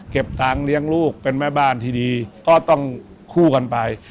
ตังค์เลี้ยงลูกเป็นแม่บ้านที่ดีก็ต้องคู่กันไป